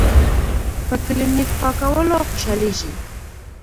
پۀ کلینک پاکولو خوشالیږي ـ